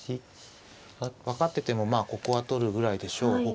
分かっててもここは取るぐらいでしょう。